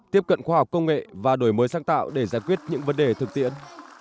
tiếp cận khoa học công nghệ và đổi mới sáng tạo để giải quyết những vấn đề thực tiễn